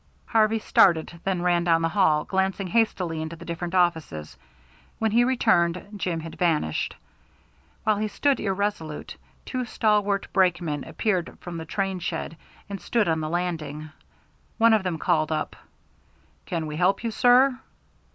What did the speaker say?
Harvey started, then ran down the hall, glancing hastily into the different offices. When he returned, Jim had vanished. While he stood irresolute, two stalwart brakemen appeared from the train shed and stood on the landing. One of them called up, "Can we help you, sir?"